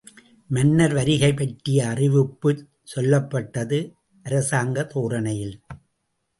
மன்னர் வருகை பற்றிய அறிவிப்புச் சொல்லப்பட்டது, அரசாங்கத் தோரணையில்!